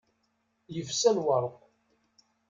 Yefsa lwerḍ.